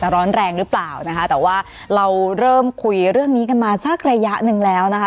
เราเริ่มคุยเรื่องนี้กันมาสักระยะหนึ่งแล้วนะคะ